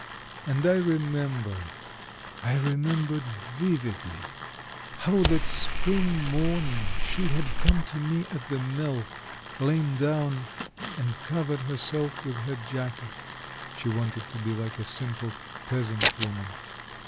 And I remembered, I remembered vividly how that spring morning she had come to me at the mill, lain down and covered herself with her jacket she wanted to be like a simple peasant woman.